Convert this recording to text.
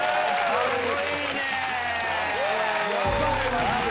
かっこいい。